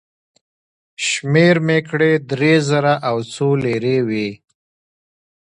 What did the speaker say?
شمېر مې کړې، درې زره او څو لېرې وې.